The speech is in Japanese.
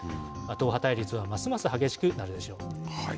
党派対立はますます激しくなるでしょう。